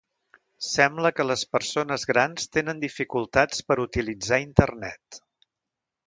Sembla que les persones grans tenen dificultats per utilitzar Internet.